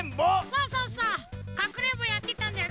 そうそうそうかくれんぼやってたんだよね。